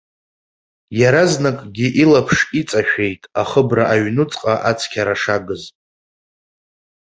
Иаразнакгьы илаԥш иҵашәеит ахыбра аҩнуҵҟа ацқьара шагыз.